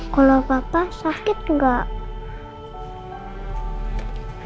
kalau papa sakit enggak